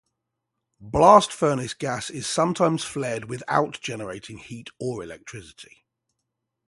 Blast furnace gas is sometimes flared without generating heat or electricity.